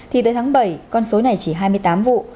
thì tới tháng bảy con số này chỉ hai mươi tám vụ